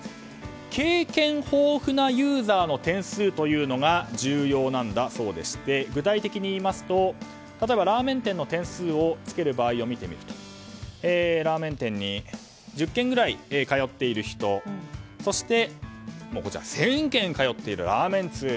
経験豊富なユーザーの点数というのが重要なんだそうでして具体的にいいますと例えば、ラーメン店の点数を付ける場合を見てみるとラーメン店に１０軒ぐらい通っている人そして、１０００軒通っているラーメン通。